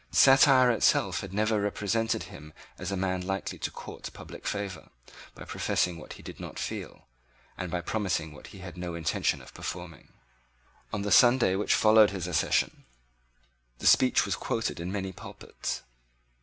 Satire itself had never represented him as a man likely to court public favour by professing what he did not feel, and by promising what he had no intention of performing. On the Sunday which followed his accession, his speech was quoted in many pulpits.